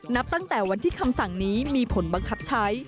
นับตั้งแต่วันที่คำสั่งนี้มีผลบังคับใช้